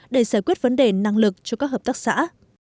để giải quyết vấn đề năng lực cho các hợp tác xã